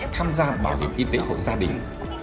tham gia bảo hiểm y tế hội gia đình